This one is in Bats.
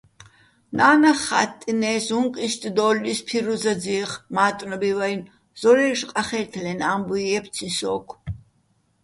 ნა́ნახ ხა́ტტინე́ს, უ̂ჼკ იშტ დო́ლო̆ ის ფირუზაძიეხ მა́ტნობივ-ა́ჲნო̆, ზორა́ჲში̆ ყახე́თლეჲნი̆ ა́მბუჲ ჲე́ფციჼ სოგო̆.